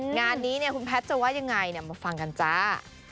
งานนี้เนี่ยคุณแพทย์จะว่ายังไงมาฟังกันจ้า